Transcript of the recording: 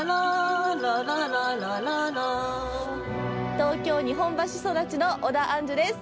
東京・日本橋育ちの小田安珠です。